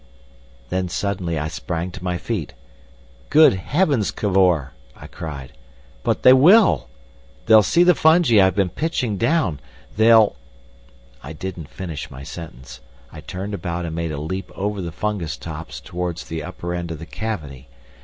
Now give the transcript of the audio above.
Then suddenly I sprang to my feet. "Good heavens, Cavor!" I cried. "But they will! They'll see the fungi I have been pitching down. They'll—" I didn't finish my sentence. I turned about and made a leap over the fungus tops towards the upper end of the cavity.